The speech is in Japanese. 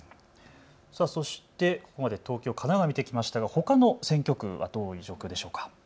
そして東京、神奈川を見てきましたがほかの選挙区はどういう状況でしょうか。